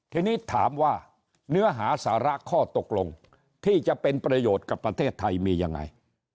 ทีนี้ถามว่าเนื้อหาสาระข้อตกลงที่จะเป็นประโยชน์กับประเทศไทยมียังไง